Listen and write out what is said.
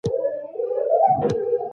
چانسونو کار واخلئ.